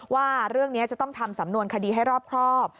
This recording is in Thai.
ว่าเรื่องนี้จะต้องทำสำนวนคดีให้รอบครอบ